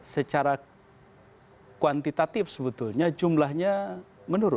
secara kuantitatif sebetulnya jumlahnya menurun